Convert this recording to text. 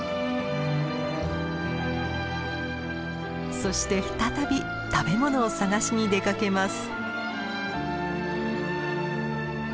そして再び食べ物を探しに出かけます。